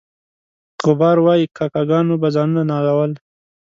غبار وایي کاکه ګانو به ځانونه نالول.